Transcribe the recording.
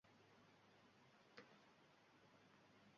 Zayliga yurgizmoq istar zamona